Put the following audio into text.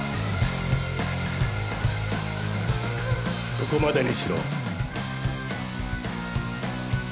そこまでにしろ。